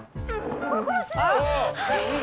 コロコロしてる！